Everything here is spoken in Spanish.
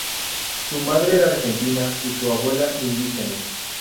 Su madre era argentina, y su abuela indígena.